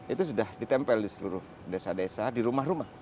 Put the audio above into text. itu sudah ditempel di seluruh desa desa di rumah rumah